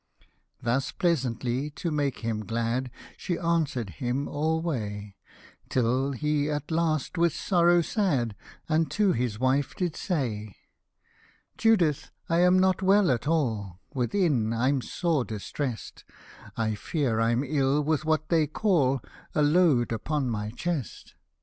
Thus pleasantly, to make him glad, She answer'd him alway ; Till he at last, with sorrow sad, Unto his wife did say :*' Judith, I am not well at all, Within I'm sore distrest ; I fear I'm ill with what they call A load upon the chest.